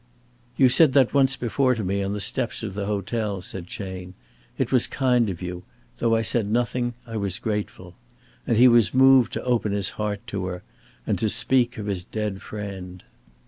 "You said that once before to me, on the steps of the hotel," said Chayne. "It was kind of you. Though I said nothing, I was grateful"; and he was moved to open his heart to her, and to speak of his dead friend.